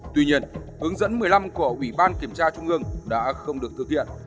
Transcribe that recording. tuy nhiên hướng dẫn một mươi năm của ủy ban kiểm tra trung ương đã không được thực hiện